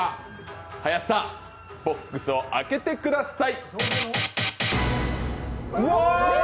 林さんボックスを開けてください。